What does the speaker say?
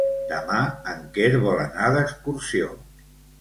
Demà en Quer vol anar d'excursió.